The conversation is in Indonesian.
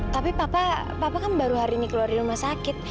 tapi papa kan baru hari ini keluar di rumah sakit